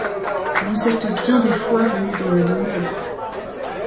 Vous êtes bien des fois venus dans ma demeure